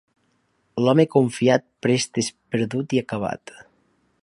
L'home confiat prest és perdut i acabat.